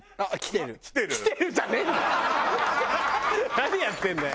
何やってんだよ。